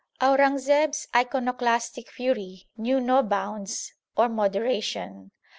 Aurangzeb s iconoclastic fury knew no bounds or modera tion.